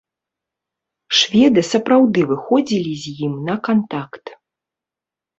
Шведы сапраўды выходзілі з ім на кантакт.